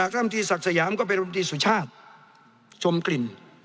รัฐมนตรีศักดิ์สยามก็เป็นรมตรีสุชาติชมกลิ่น